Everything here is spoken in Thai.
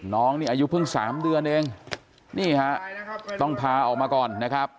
น้องนี่อายุเพิ่ง๓เดือนเองนี่ฮะต้องพาออกมาก่อนนะครับ